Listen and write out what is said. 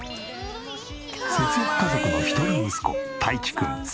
節約家族の一人息子たいちくん３歳。